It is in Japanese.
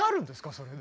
それで。